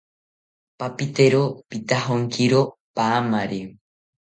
Papitero pitajonkiro paamari